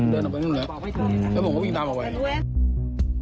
เดินออกมานุ่มแล้วแล้วผมก็วิ่งตามเอาไว้